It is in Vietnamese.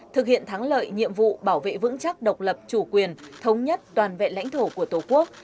thực hiện thắng lợi nhiệm vụ bảo vệ vững chắc độc lập chủ quyền thống nhất toàn vẹn lãnh thổ của tổ quốc